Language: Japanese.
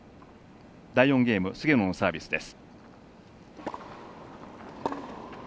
第４ゲーム、菅野のサービスです。